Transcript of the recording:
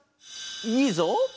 いいぞ！